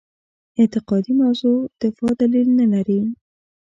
اعتقادي موضع دفاع دلیل نه لري.